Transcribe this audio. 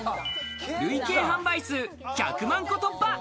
累計販売数１００万個突破！